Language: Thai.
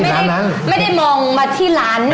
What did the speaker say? ไม่ได้มองมาที่ร้านที่ประปับเลย